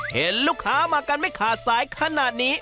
เห็นลูกค้ามากันไม่ขาดสายขนาดนี้